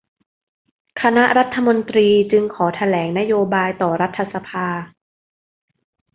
คณะรัฐมนตรีจึงขอแถลงนโยบายต่อรัฐสภา